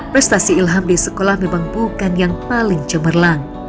prestasi ilham di sekolah memang bukan yang paling cemerlang